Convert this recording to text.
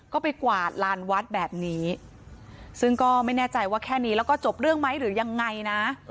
ก็ไปกวาดลานวัดแบบนี้ซึ่งก็ไม่แน่ใจว่าแค่นี้แล้วก็จบเรื่องไหมหรือยังไงนะ